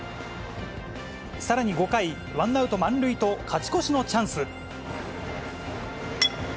さらに５回、ワンアウト満塁と、勝ち越しのチャンス。